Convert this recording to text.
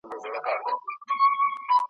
زوی یې وویل چټک نه سمه تللای ,